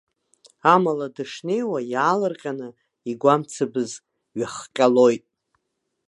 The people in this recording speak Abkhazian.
Амала, дышнеиуа, иаалырҟьаны, игәы амцабз ҩахҟьалоит.